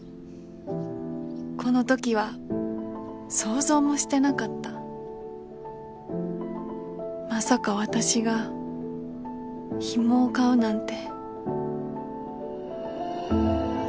このときは想像もしてなかったまさか私がヒモを飼うなんて